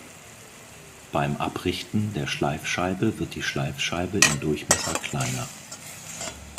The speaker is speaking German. Beim Abrichten der Schleifscheibe wird die Schleifscheibe im Durchmesser kleiner.